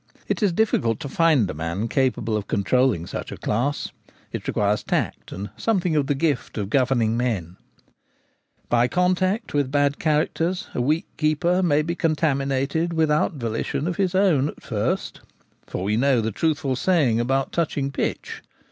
It is difficult to find a man capable of controlling such a class ; it requires tact, and something of the gift of governing men. 2 1 6 The Gamekeeper at Home. By contact with bad characters a weak keeper may be contaminated without volition of his own at first : for we know the truthful saying about touching pitch.